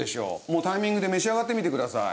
もうタイミングで召し上がってみてください。